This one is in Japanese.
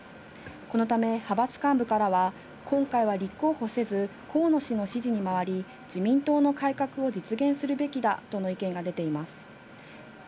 このため派閥幹部からは今回は立候補せず、河野氏の支持に回り、自民党の改革を実現するべきだとの意見が出ています。